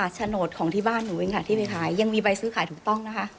โฉนดของที่บ้านหนูเองค่ะที่ไปขายยังมีใบซื้อขายถูกต้องนะคะ